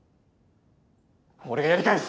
俺がやり返す！